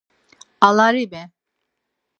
Alarimi!